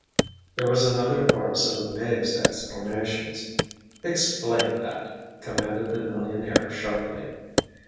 There was another chorus of amazed exclamations. "Explain that," commanded the millionaire sharply.